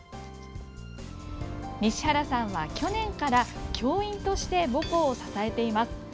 西原さんは去年から教員として母校を支えています。